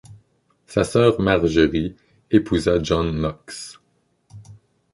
Sa sœur Margery épousa John Knox.